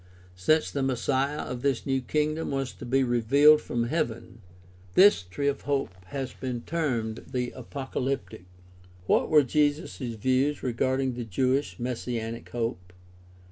Since the Messiah of this new kingdom was to be "revealed" from heaven, this t>^e of hope has been termed the ''apocalyptic." What were Jesus' views regarding the Jewish messianic hope?